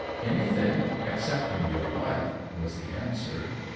"Anything excepting your life," was the answer.